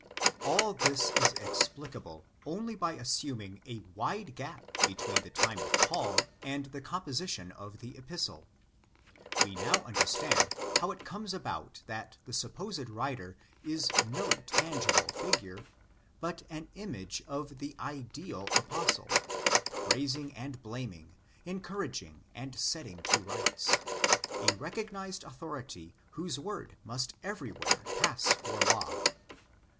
All this is explicable only by assuming a wide gap between the time of Paul and the composition of the Epistle. We now understand how it comes about that the supposed writer is no tangible figure, but an image of the ideal Apostle, praising and blaming, encouraging and setting to rights—a recognised authority whose word must everywhere pass for law (cf.